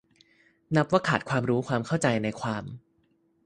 นับว่าขาดความรู้ความเขัาใจในความ